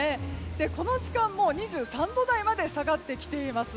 この時間も２３度台まで下がってきています。